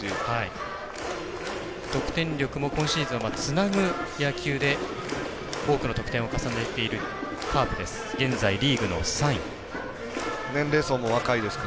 得点力も今シーズンはつなぐ野球で多くの得点を重ねているカープです。